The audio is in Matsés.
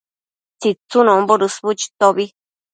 tsitsunombo dësbu chitobi